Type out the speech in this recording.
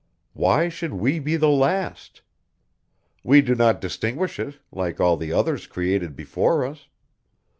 Why should we be the last? We do not distinguish it, like all the others created before us.